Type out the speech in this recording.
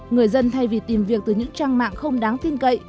người dân thay vì tìm việc từ những trang mạng không đáng tin cậy